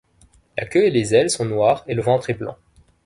La queue et les ailes sont noires et le ventre est blanc.